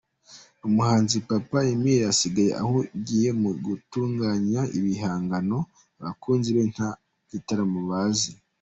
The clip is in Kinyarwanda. Umuhanzi Papa Emile asigaye ahugiye mu gutunganya ibihangano, abakunzi be nta gitaramo bazi.